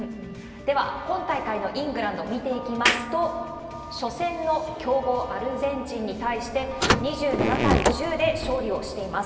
では、今大会のイングランド、見ていきますと、初戦の強豪、アルゼンチンに対して、２７対１０で勝利をしています。